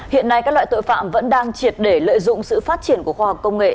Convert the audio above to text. hiện nay các loại tội phạm vẫn đang triệt để lợi dụng sự phát triển của khoa học công nghệ